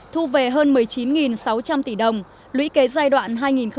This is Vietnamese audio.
thu về hơn một mươi chín sáu trăm linh tỷ đồng lũy kế giai đoạn hai nghìn một mươi sáu hai nghìn một mươi tám